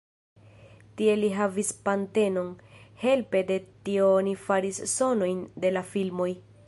Tie li havis patenton, helpe de tio oni faris sonojn de la filmoj.